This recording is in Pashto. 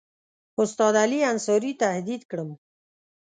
استاد علي انصاري تهدید کړم.